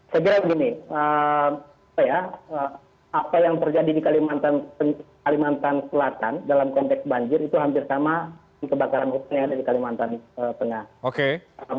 segera begini apa yang terjadi di kalimantan selatan dalam konteks banjir itu hampir sama kebakaran hukumnya di kalimantan tengah